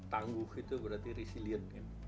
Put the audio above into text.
tangguh itu berarti resilient